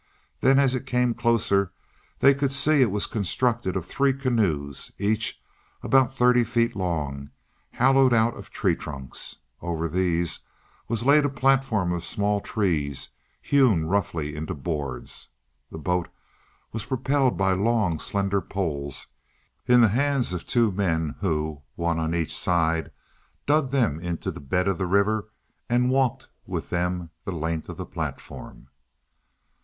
Then as it came closer they could see it was constructed of three canoes, each about thirty feet long, hollowed out of tree trunks. Over these was laid a platform of small trees hewn roughly into boards. The boat was propelled by long, slender poles in the hands of the two men, who, one on each side, dug them into the bed of the river and walked with them the length of the platform.